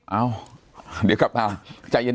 เอ้าเดี๋ยวกลับมาใจเย็น